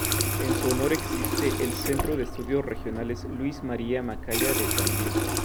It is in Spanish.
En su honor existe el Centro de Estudios Regionales Luis María Macaya de Tandil.